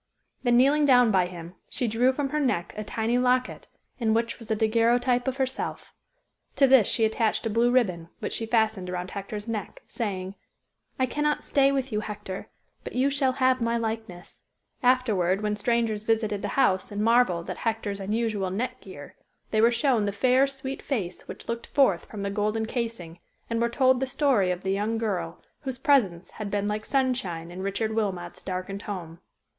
Then kneeling down by him, she drew from her neck a tiny locket, in which was a daguerreotype of herself. To this she attached a blue ribbon, which she fastened around Hector's neck, saying, "I cannot stay with you, Hector, but you shall have my likeness." Afterward when strangers visited the house and marvelled at Hector's unusual neck gear, they were shown the fair, sweet face, which looked forth from the golden casing, and were told the story of the young girl, whose presence had been like Sunshine in Richard Wilmot's darkened home.